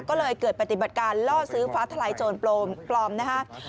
ก็เลยเกิดปฏิบัติการล่อซื้อฟ้าทลายโจรปลอมนะฮะ